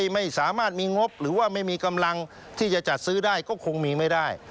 ไม่สามารถมีงบหรือว่าไม่มีกำลังที่จะจัดซื้อได้ก็คงมีไม่ได้